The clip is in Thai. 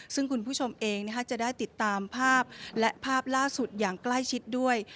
ซึ่งคุณผู้ชมเองจะได้ติดตามภาพและภาพล่าสุดอย่างใกล้ชิดด้วย